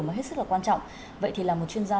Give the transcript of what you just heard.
mà hết sức là quan trọng vậy thì là một chuyên gia